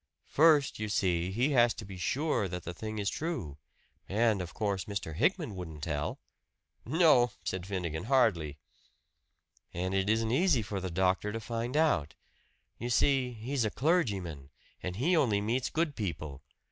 First, you see, he has to be sure that the thing is true. And, of course, Mr. Hickman wouldn't tell." "No," said Finnegan. "Hardly!" "And it isn't easy for the doctor to find out. You see he's a clergyman, and he only meets good people.